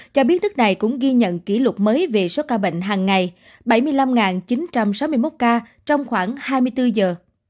cho biết nước này cũng ghi nhận kỷ lục mới về số ca bệnh hàng ngày bảy mươi năm chín trăm sáu mươi một ca trong khoảng hai mươi bốn giờ